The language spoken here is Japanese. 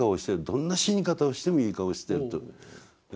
どんな死に方をしてもいい顔をしてると。